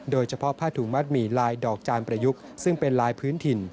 โดยเฉพาะผ้าถุงมัดหมี่ลายดอกจานประยุกต์ซึ่งเป็นลายพื้นถิ่น